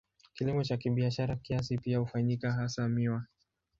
Kilimo cha kibiashara kiasi pia hufanyika, hasa miwa.